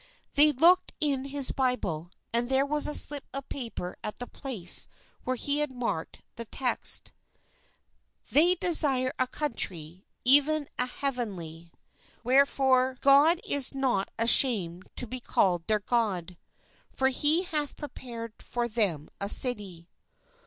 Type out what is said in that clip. They looked in his Bible, and there was a slip of paper at the place where he had marked the text: "They desire a country, even a heavenly: wherefore God is not ashamed to be called their God: for He hath prepared for them a city."